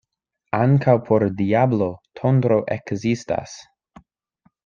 Ankaŭ por diablo tondro ekzistas.